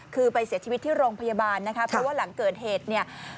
คือไปเสียชีวิตที่โรงพยาบาลนะคะเพราะว่าหลังเกิดเหตุเนี่ย